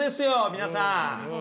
皆さん。